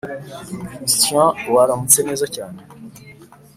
Christian waramutse neza cyane